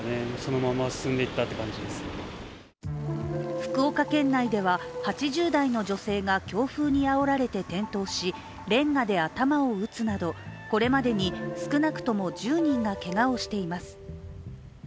福岡県内では、８０代の女性が強風にあおられて転倒しれんがで頭を打つなど、これまでに少なくとも１０人がけがをしています。